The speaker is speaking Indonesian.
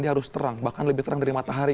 dia harus terang bahkan lebih terang dari matahari